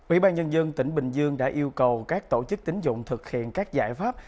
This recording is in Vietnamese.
ủy ban nhân dân tp hcm đã yêu cầu các tổ chức tính dụng thực hiện các giải pháp